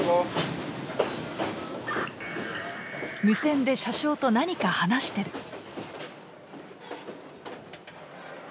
無線で車掌と何か話してる。